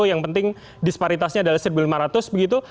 yang penting disparitasnya adalah satu lima ratus begitu